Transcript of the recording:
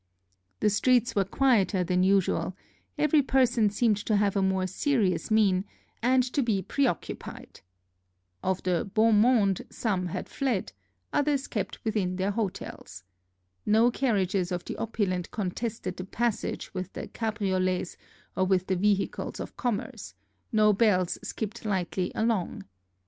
The streets were quieter than usual; every person seemed to have a more serious mien, and to be preoccu pied. Of the beau monde some had fled, others kept within their hotels. No carriages of the opulent con tested the passage with the cabriolets or with the vehi cles of commerce, no belles skipped hghtly along.